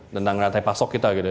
tentang rantai pasok kita gitu